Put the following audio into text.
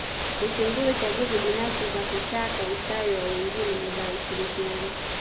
Huchunguza chaguzi binafsi za kutaka ustawi wa wengine na za ushirikiano